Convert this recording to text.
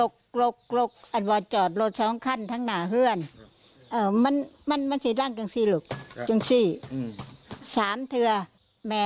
บอกว่าเจออย่าคิดถึงของแม่ด้วยการเคาะ